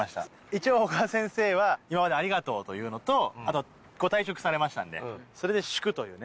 一応小川先生は今までありがとうというのとご退職されましたんでそれで「祝」というね。